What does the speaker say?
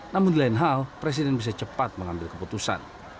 namun di lain hal presiden bisa cepat mengambil keputusan